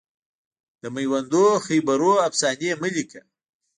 د میوندونو خیبرونو افسانې مه لیکه